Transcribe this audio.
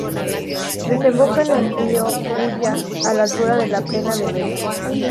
Desemboca en el río Ulla a la altura de la Pena da Vella.